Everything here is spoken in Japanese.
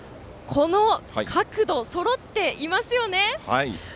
この角度、そろっていますよね。